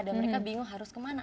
dan mereka bingung harus kemana